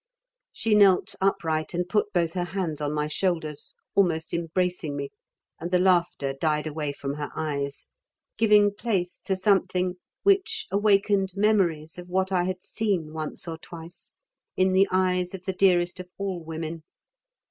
She knelt upright and put both her hands on my shoulders, almost embracing me, and the laughter died away from her eyes, giving place to something which awakened memories of what I had seen once or twice in the eyes of the dearest of all women.